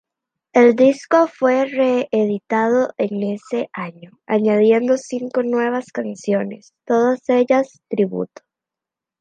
El disco fue reeditado en ese año, añadiendo cinco nuevas canciones, todas ellas tributo.